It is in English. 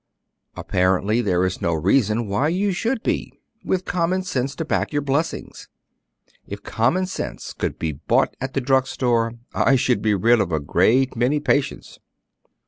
"Apparently there is no reason why you should be, with common sense to back your blessings. If common sense could be bought at the drug store, I should be rid of a great many patients."